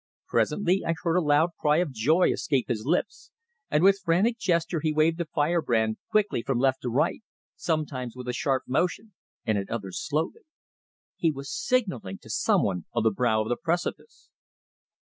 Presently I heard a loud cry of joy escape his lips, and with frantic gesture he waved the fire brand quickly from left to right, sometimes with a sharp motion, and at others slowly. He was signalling to someone on the brow of the precipice!